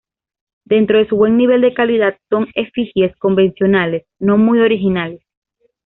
Dentro de su buen nivel de calidad, son efigies convencionales, no muy originales.